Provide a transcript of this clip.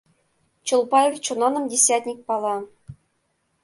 Чолпаев Чонаным десятник пала.